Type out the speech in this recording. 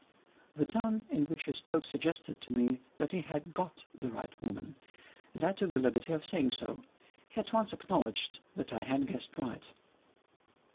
The tone in which he spoke suggested to me that he had got "the right woman" and I took the liberty of saying so. He at once acknowledged that I had guessed right.